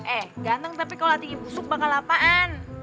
eh ganteng tapi kalau tinggi busuk bakal apaan